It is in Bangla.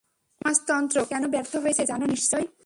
সমাজতন্ত্র কেন ব্যর্থ হয়েছে জানো নিশ্চয়ই?